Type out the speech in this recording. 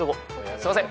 すいません。